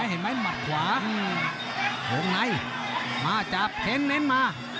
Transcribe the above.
เห็นไหมหมัดขวาวงในมาจับเข้นเน้นมา